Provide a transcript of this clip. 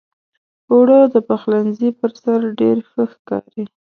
اوړه د پخلنځي پر سر ډېر ښه ښکاري